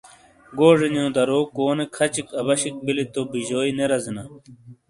گوجے نیو درو کونے کھَچِک اَباشیک بِیلی تو بِیجوئی نے رزینا۔